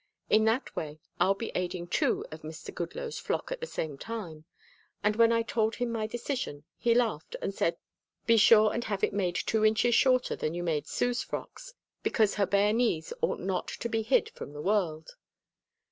In that way I'll be aiding two of Mr. Goodloe's flock at the same time, and when I told him my decision he laughed and said be sure and have it made two inches shorter than you made Sue's frocks, because her bare knees ought not to be hid from the world.